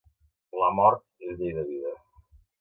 La mort és llei de vida.